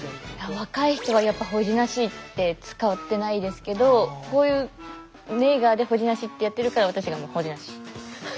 若い人はやっぱ「ほじなし」って使ってないですけどこういうネイガーで「ほじなし」ってやってるから私らも「ほじなし」。